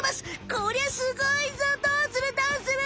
こりゃすごいぞどうするどうする？